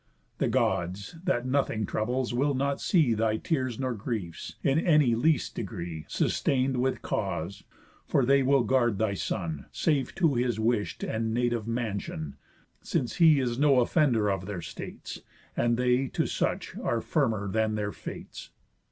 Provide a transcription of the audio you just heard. The Gods, that nothing troubles, will not see Thy tears nor griefs, in any least degree, Sustain'd with cause, for they will guard thy son Safe to his wish'd and native mansión. Since he is no offender of their states, And they to such are firmer than their fates."